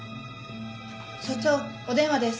所長お電話です。